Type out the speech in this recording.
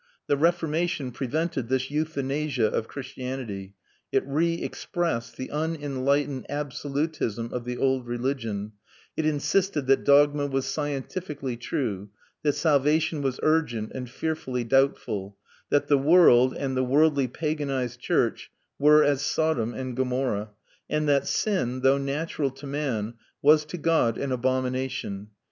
The Reformation prevented this euthanasia of Christianity. It re expressed the unenlightened absolutism of the old religion; it insisted that dogma was scientifically true, that salvation was urgent and fearfully doubtful, that the world, and the worldly paganised church, were as Sodom and Gomorrah, and that sin, though natural to man, was to God an abomination.